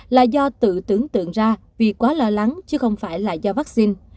là do tự tưởng tượng ra vì quá lo lắng chứ không phải là do vaccine